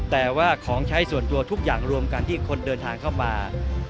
แต่ว่าของใช้ส่วนตัวทุกอย่างรวมกันที่คนเดินทางเข้ามา